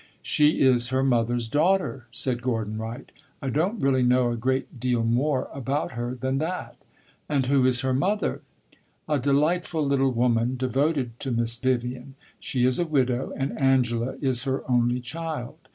"She is her mother's daughter," said Gordon Wright. "I don't really know a great deal more about her than that." "And who is her mother?" "A delightful little woman, devoted to Miss Vivian. She is a widow, and Angela is her only child.